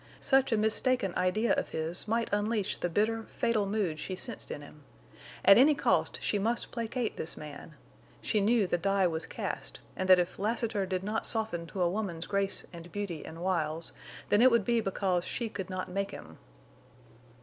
Such a mistaken idea of his might unleash the bitter, fatal mood she sensed in him. At any cost she must placate this man; she knew the die was cast, and that if Lassiter did not soften to a woman's grace and beauty and wiles, then it would be because she could not make him.